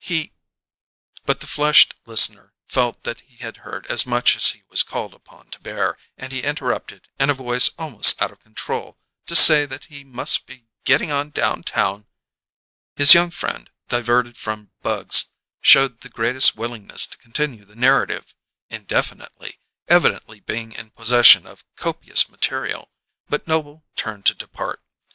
He " But the flushed listener felt that he had heard as much as he was called upon to bear; and he interrupted, in a voice almost out of control, to say that he must be "getting on downtown." His young friend, diverted from bugs, showed the greatest willingness to continue the narrative indefinitely, evidently being in possession of copious material; but Noble turned to depart.